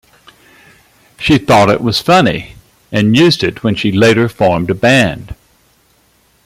She thought it was funny, and used it when she later formed a band.